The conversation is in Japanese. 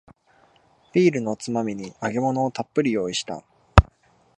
ビールのおつまみに揚げ物をたっぷり用意した